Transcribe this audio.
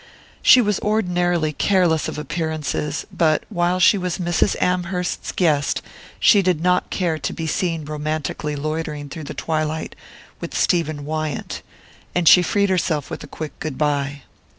She was ordinarily careless of appearances, but while she was Mrs. Amherst's guest she did not care to be seen romantically loitering through the twilight with Stephen Wyant; and she freed herself with a quick goodbye.